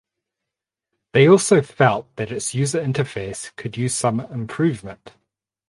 They also felt that its user interface could use some improvement.